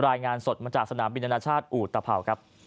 รายงานสดมาจากสนามบินอนาชาติอุตภัวครับ